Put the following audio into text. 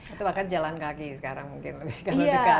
atau bahkan jalan kaki sekarang mungkin lebih kalau dekat